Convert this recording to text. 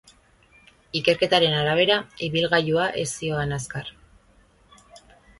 Ikerketaren arabera, ibilgailua ez zihoan azkar.